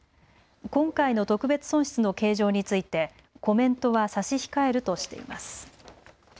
今回の特別損失の計上についてコメントは差し控えるとしています。